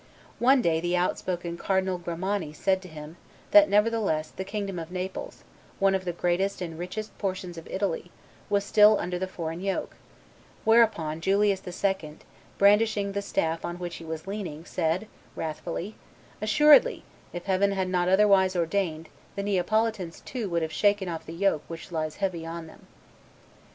One day the outspoken Cardinal Grimani said to him that, nevertheless, the kingdom of Naples, one of the greatest and richest portions of Italy, was still under the foreign yoke; whereupon Julius II., brandishing the staff on which he was leaning, said, wrathfully, "Assuredly, if Heaven had not otherwise ordained, the Neapolitans too would have shaken off the yoke which lies heavy on them."